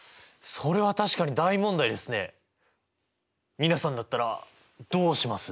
皆さんだったらどうします？